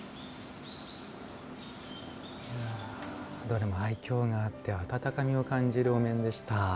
どれも愛きょうがあって温かみを感じるお面でした。